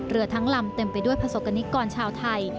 เรือทั้งลำเต็มไปด้วยประสบกรณิกรชาวไทย